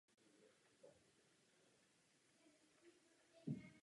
Štít barokní kaple doplňuje reliéf křtu Ježíše Krista od Františka Bílka.